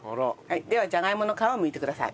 ではじゃがいもの皮をむいてください。